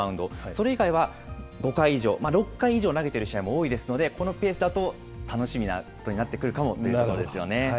それ以外は５回以上、６回以上投げている試合も多いですので、このペースだと、楽しみなことになってくるかもというところですよね。